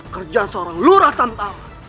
kerja seorang lurah tamtama